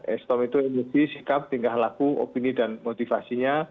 ekstom itu emosi sikap tingkah laku opini dan motivasinya